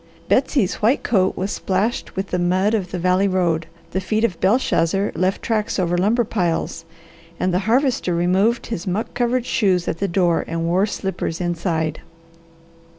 Betsy's white coat was splashed with the mud of the valley road; the feet of Belshazzar left tracks over lumber piles; and the Harvester removed his muck covered shoes at the door and wore slippers inside.